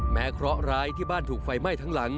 เคราะหร้ายที่บ้านถูกไฟไหม้ทั้งหลัง